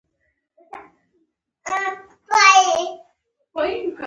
د میدان وردګو مڼې په سیمه کې مشهورې دي.